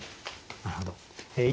なるほど。